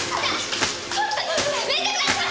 ちょっとやめてください！